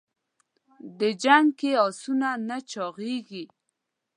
د جنګ کې اسونه نه چاغېږي.